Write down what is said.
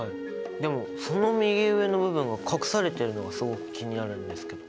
でもその右上の部分が隠されているのがすごく気になるんですけど。